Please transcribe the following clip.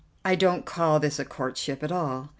I don't call this a courtship at all.